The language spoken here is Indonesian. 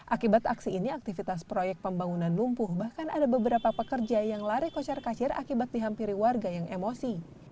akibat aksi ini aktivitas proyek pembangunan lumpuh bahkan ada beberapa pekerja yang lari kocar kacir akibat dihampiri warga yang emosi